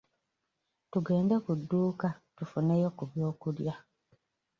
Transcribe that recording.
Tugende ku dduuka tufuneyo ku byokulya.